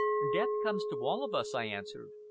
"Death comes to all of us," I answered.